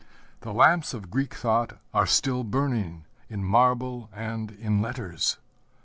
The lamps of Greek thought are still burning in marble and in letters.